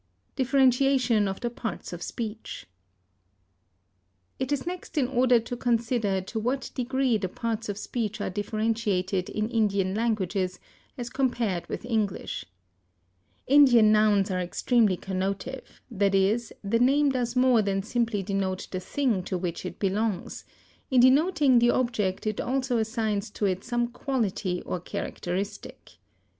DIFFERENTIATION OF THE PARTS OF SPEECH. It is next in order to consider to what degree the parts of speech are differentiated in Indian languages, as compared with English. Indian nouns are extremely connotive, that is, the name does more than simply denote the thing to which it belongs; in denoting the object it also assigns to it some quality or characteristic.